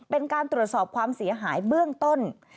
เป็นการตรวจสอบความเสียหายเบื้องต้น